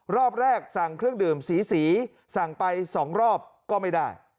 รอบแรกสั่งเครื่องดื่มสีสั่งไป๒รอบก็ไม่ได้